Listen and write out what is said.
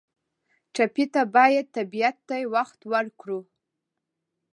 ټپي ته باید طبیعت ته وخت ورکړو.